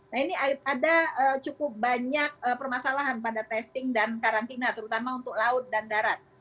nah ini ada cukup banyak permasalahan pada testing dan karantina terutama untuk laut dan darat